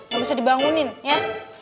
gak bisa dibangunin ya